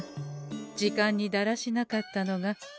時間にだらしなかったのがう